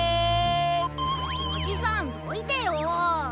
おじさんどいてよ。